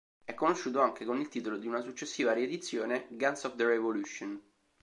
È conosciuto anche con il titolo di una successiva riedizione "Guns of the Revolution".